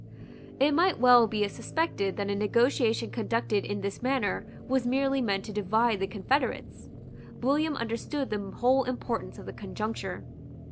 It might well be suspected that a negotiation conducted in this manner was merely meant to divide the confederates. William understood the whole importance of the conjuncture.